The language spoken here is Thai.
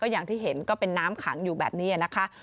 อย่างที่เห็นก็เป็นน้ำขังอยู่แบบนี้นะคะ